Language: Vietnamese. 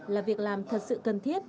là việc làm thật sự cần thiết